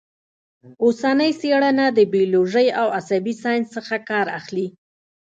اوسنۍ څېړنه د بیولوژۍ او عصبي ساینس څخه کار اخلي